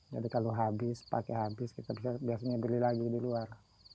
jadi kalau habis pakai habis kita biasanya beli lagi di luar